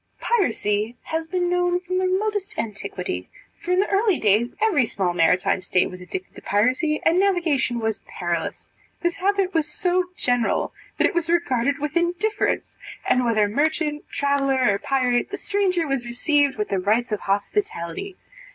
Piracy has been known from the remotest antiquity; for in the early ages every small maritime state was addicted to piracy, and navigation was perilous. This habit was so general, that it was regarded with indifference, and, whether merchant, traveller, or pirate, the stranger was received with the rights of hospitality.